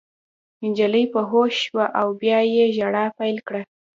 نجلۍ په هوښ شوه او بیا یې ژړا پیل کړه